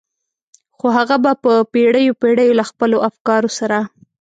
خو هغه به په پېړيو پېړيو له خپلو افکارو سره.